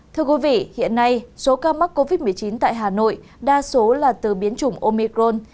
thưa quý vị hiện nay số ca mắc covid một mươi chín tại hà nội đa số là từ biến chủng omicron